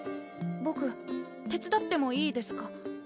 ぼく手伝ってもいいですか？